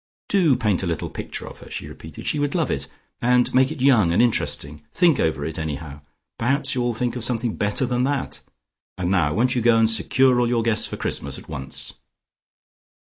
"Do paint a little picture of her," she repeated. "She would love it, and make it young and interesting. Think over it, anyhow: perhaps you'll think of something better than that. And now won't you go and secure all your guests for Christmas at once?"